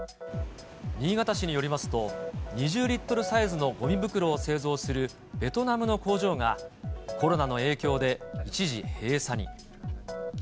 新潟市によりますと、２０リットルサイズのごみ袋を製造するベトナムの工場が、コロナの影響で一時閉鎖に。